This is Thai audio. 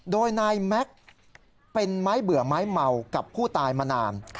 โดยนายแม็กซ์เป็นไม้เบื่อไม้เมากับผู้ตายมานาน